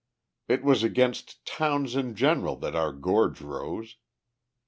It was against towns in general that our gorge rose.